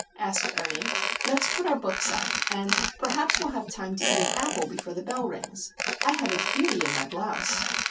asked Ernie. "Let's put our books up, and perhaps we'll have time to eat an apple before the bell rings. I have a beauty in my blouse!"